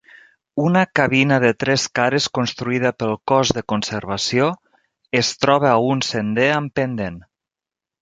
Una cabina de tres cares construïda pel Cos de Conservació es troba a un sender amb pendent.